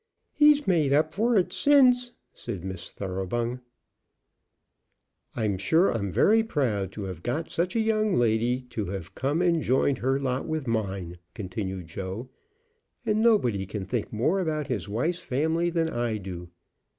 "He's made up for it since," said Miss Thoroughbung. "I'm sure I'm very proud to have got such a young lady to have come and joined her lot with mine," continued Joe; "and nobody can think more about his wife's family than I do."